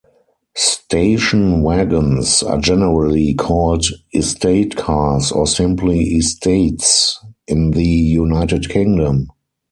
Station wagons are generally called "estate cars" or simply "estates" in the United Kingdom.